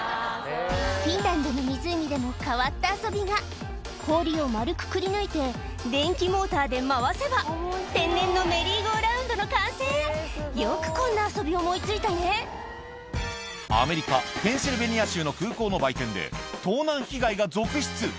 フィンランドの湖でも変わった遊びが氷を丸くくりぬいて電気モーターで回せば天然のメリーゴーラウンドの完成よくこんな遊び思い付いたねの売店で盗難被害が続出